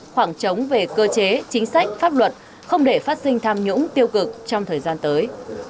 khoảng trống về cơ chế chính sách pháp luật không để phát sinh tham nhũng tiêu cực trong thời gian tới